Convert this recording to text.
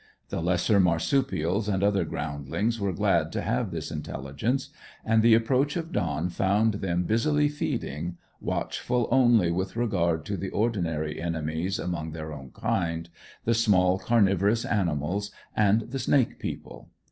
The lesser marsupials and other groundlings were glad to have this intelligence, and the approach of dawn found them all busily feeding, watchful only with regard to the ordinary enemies among their own kind, the small carnivorous animals and the snake people.